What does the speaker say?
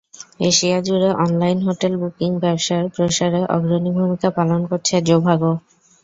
এশিয়াজুড়ে online hotel booking ব্যবসার প্রসারে অগ্রণী ভূমিকা পালন করছে জোভাগো।